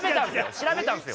調べたんですよ。